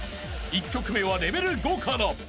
［１曲目はレベル５から］